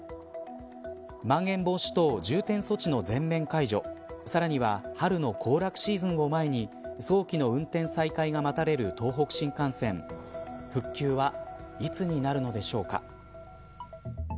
まん延防止等重点措置の全面解除さらには春の行楽シーズンを前に早期の運転再開が待たれる東北新幹線復旧はいつになるのでしょうか。